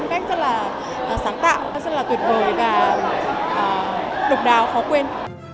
một cách rất là sáng tạo rất là tuyệt vời và độc đáo khó quên